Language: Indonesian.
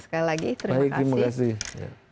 sekali lagi terima kasih